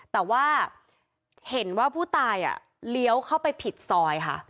แต่ว่าเห็นว่าผู้ตายเลี้ยวเข้าไปผิดซอยค่ะ